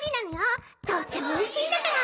とっても美味しいんだから！